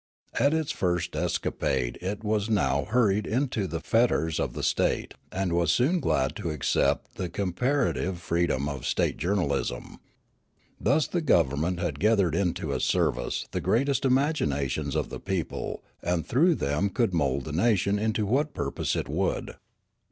At its first escapade it was now hurried into the fetters of the state, and was soon glad to accept the comparative freedom of state journalism. Thus the government had gathered into its service the greatest imaginations of the people, and through them could mould the nation to what purpose it would.